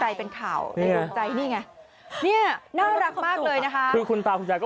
แถมมีสรุปอีกต่างหาก